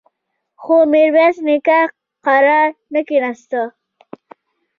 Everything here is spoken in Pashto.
خو ميرويس نيکه کرار نه کېناسته.